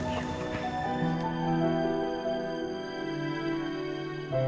terima kasih ya bu